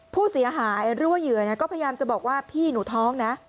ผู้เสียหายหรือว่าเหยื่อก็พยายามจะบอกว่าพี่หนูท้องนะ